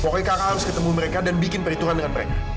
pokoknya kakak harus ketemu mereka dan bikin perhitungan dengan mereka